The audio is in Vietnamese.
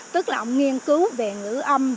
tức là ông nghiên cứu về ngữ âm